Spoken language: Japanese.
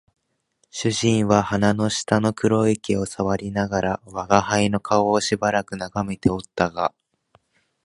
主人は鼻の下の黒い毛を撚りながら吾輩の顔をしばらく眺めておったが、